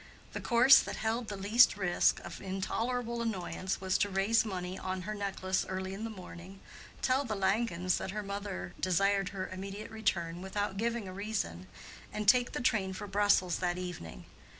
The course that held the least risk of intolerable annoyance was to raise money on her necklace early in the morning, tell the Langens that her mother desired her immediate return without giving a reason, and take the train for Brussels that evening.